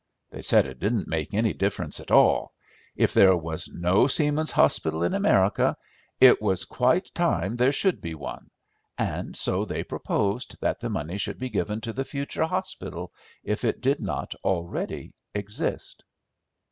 They said it didn't make any difference at all; if there was no Seamen's Hospital in America, it was quite time there should be one; and so they proposed that the money should be given to the future hospital, if it did not already exist.